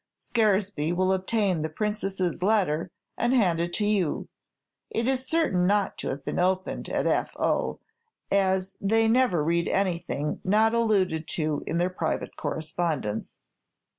Scaresby will obtain the Princess's letter, and hand it to you. It is certain not to have been opened at F. O., as they never read anything not alluded to in the private correspondence.